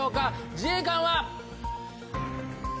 自衛官は！